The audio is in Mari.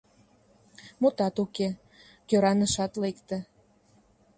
Мутат уке, кӧранышат лекте.